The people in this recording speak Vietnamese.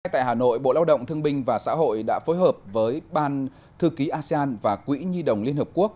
tại hà nội bộ lao động thương binh và xã hội đã phối hợp với ban thư ký asean và quỹ nhi đồng liên hợp quốc